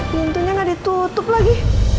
pintunya gak ditutup lagi